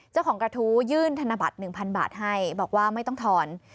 เจ้าของกระทู้ยื่นธนบัตร๑๐๐บาทให้บอกว่าไม่ต้องทอน